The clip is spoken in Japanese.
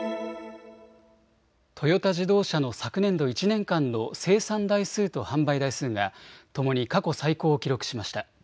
トヨタ自動車の昨年度１年間の生産台数と販売台数がともに過去最高を記録しました。